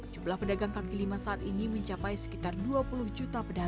jumlah pedagang kaki lima saat ini mencapai sekitar dua puluh juta pedagang